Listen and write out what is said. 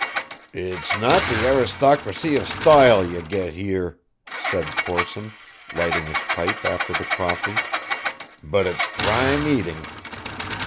"It's not the aristocracy of stoile ye get here," said Corson, lighting his pipe after the coffee, "but it's prime eating."